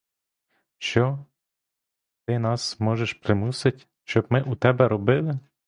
Що, ти нас можеш примусить, щоб ми у тебе робили?